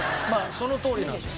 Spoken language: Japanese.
そのとおりなんですよ。